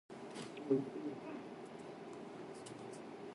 我要高潮了